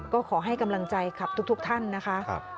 ก็ขอให้กำลังใจขับทุกท่านนะคะ